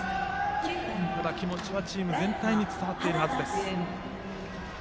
ただ気持ちはチーム全体に伝わっているはずです。